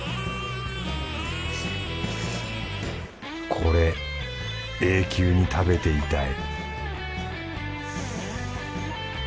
これ永久に食べていたい